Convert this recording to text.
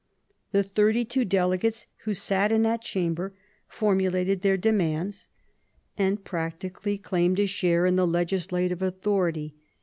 The thirty two delegates who sat in that Chamber formulated their demands, and practically claimed a share in the legislative authority.